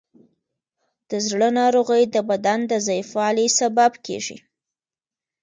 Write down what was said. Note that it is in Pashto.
د زړه ناروغۍ د بدن ضعیفوالی سبب کېږي.